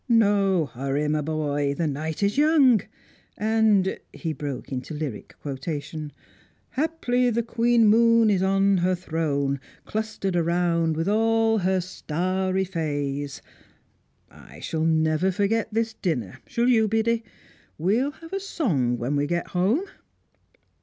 "No hurry, my boy! The night is young! 'And'" he broke into lyric quotation "'haply the Queen Moon is on her throne, clustered around with all her starry fays.' I shall never forget this dinner; shall you, Biddy? We'll have a song when we get home."